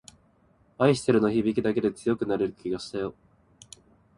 愛してるの響きだけで強くなれる気がしたよ